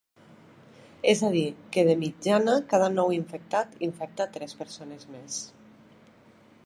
És a dir, que de mitjana cada nou infectat infecta tres persones més.